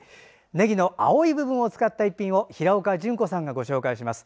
ねぎの青い部分を使った一品を平岡淳子さんがご紹介します。